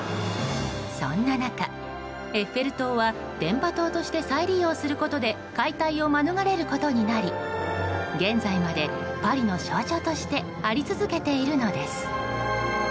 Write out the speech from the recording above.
そんな中、エッフェル塔は電波塔として再利用することで解体を免れることになり現在までパリの象徴としてあり続けているのです。